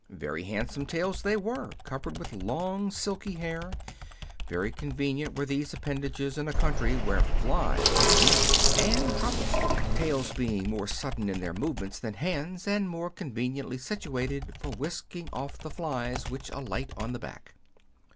Very handsome tails they were, covered with long silky hair ; very convenient were these appendages in a country where flies were 114 What are Women Made of? numerous and troublesome, tails being more sudden in their movements than hands, and more con veniently situated for whisking off the flies which alight on the back.